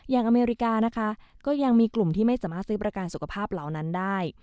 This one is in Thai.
อเมริกานะคะก็ยังมีกลุ่มที่ไม่สามารถซื้อประกันสุขภาพเหล่านั้นได้